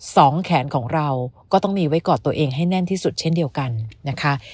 สองแขนของเราก็ต้องมีไว้กอดตัวเองให้แน่นที่สุดเช่นเดียวกันนะคะ